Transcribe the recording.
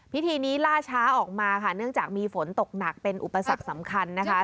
พิธีนี้ล่าช้าออกมาค่ะเนื่องจากมีฝนตกหนักเป็นอุปสรรคสำคัญนะคะ